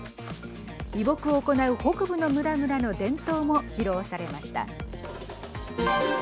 移牧を行う北部の村々の伝統も披露されました。